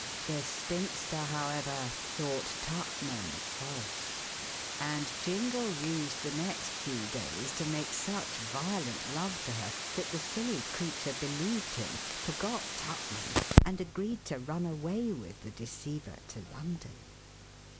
The spinster, however, thought Tupman false, and Jingle used the next few days to make such violent love to her that the silly creature believed him, forgot Tupman, and agreed to run away with the deceiver to London.